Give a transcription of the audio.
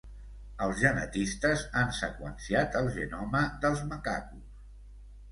Els genetistes han seqüenciat el genoma dels macacos.